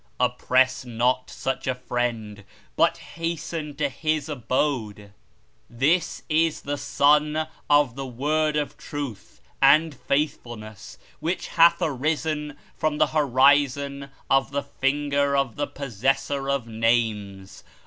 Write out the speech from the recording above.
Oppress not such a Friend, but hasten to His Abode. This is the Sun of the Word of Truth and Faithfulness which hath arisen from the Horizon of the Finger of the Possessor of Names.